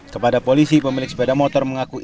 kepada polisi pemilik sepeda motor mengakui